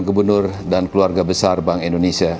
gubernur dan keluarga besar bank indonesia